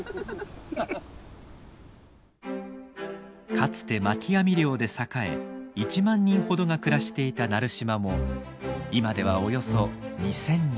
かつて巻き網漁で栄え１万人ほどが暮らしていた奈留島も今ではおよそ２，０００人。